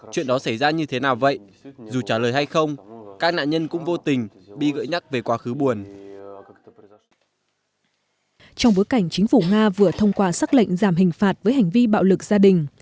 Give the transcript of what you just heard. trong bối cảnh chính phủ nga vừa thông qua xác lệnh giảm hình phạt với hành vi bạo lực gia đình